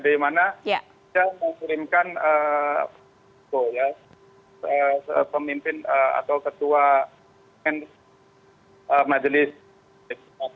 di mana kita mengirimkan pemimpin atau ketua majelis g dua puluh